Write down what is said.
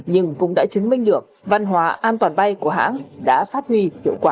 nhưng cũng đã chứng minh được văn hóa an toàn bay của hãng đã phát huy hiệu quả